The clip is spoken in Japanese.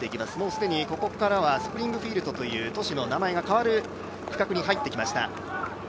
既にここからはスプリントフィールドという都市の名前が変わる区画に入ってきました。